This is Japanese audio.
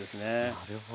なるほど。